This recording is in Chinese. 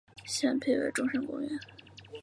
现辟为中山公园。